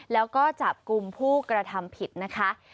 แล้วก็จับกลุ่มผู้กระทำผิดนะคะ